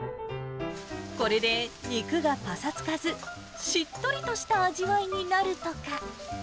これで肉がぱさつかず、しっとりとした味わいになるとか。